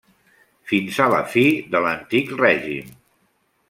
Fins a la fi de l'antic règim.